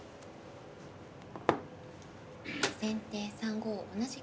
先手３五同じく歩。